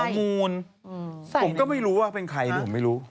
มูลผมก็ไม่รู้ว่าเป็นใครผมไม่รู้